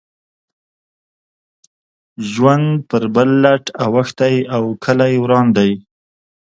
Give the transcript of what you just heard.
ژوند پر بل لټ اوښتی او کلی وران دی.